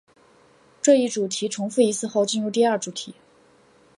这一主题重复一次后进入第二主题。